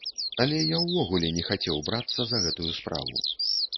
Але я ўвогуле не хацеў брацца за гэтую справу!